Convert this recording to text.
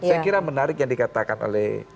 saya kira menarik yang dikatakan oleh